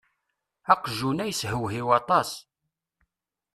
Aqjun-a yeshewhiw aṭas.